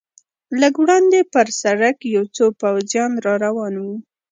لږ وړاندې پر سړک یو څو پوځیان را روان و.